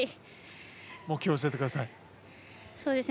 目標を教えてください。